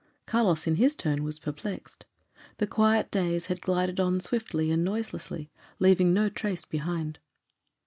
Carlos in his turn was perplexed. The quiet days had glided on swiftly and noiselessly, leaving no trace behind.